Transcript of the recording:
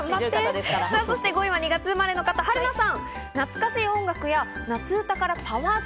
５位は２月生まれの方、春菜さん。